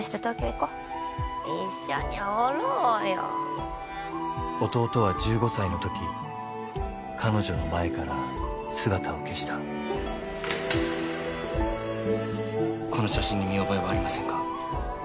こう一緒におろうよ弟は１５歳のとき彼女の前から姿を消したこの写真に見覚えはありませんか？